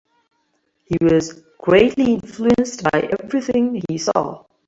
He was greatly influenced by everything he saw.